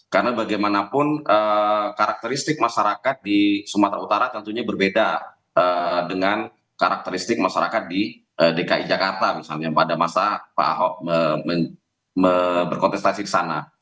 karena bagaimanapun karakteristik masyarakat di sumatera utara tentunya berbeda dengan karakteristik masyarakat di dki jakarta misalnya pada masa pak ahok berkontestasi di sana